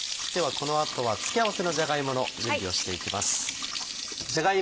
この後は付け合わせのじゃが芋の準備をしていきます。